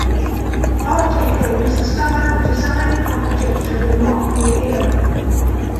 Art Deco was the style of design and architecture that marked the era.